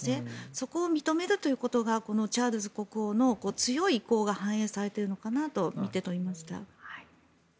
そこを認めるということがこのチャールズ国王の強い意向が反映されているのかと見て取れました。